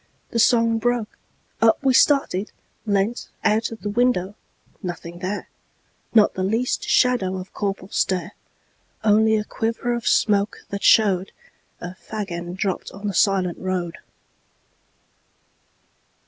The song broke, up we started, leantOut of the window—nothing there, Not the least shadow of Corporal Stare, Only a quiver of smoke that showedA fag end dropped on the silent road.